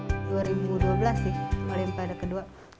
di dua ribu dua belas sih olimpiade kedua